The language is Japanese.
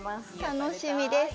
楽しみです。